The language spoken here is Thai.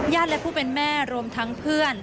และผู้เป็นแม่รวมทั้งเพื่อน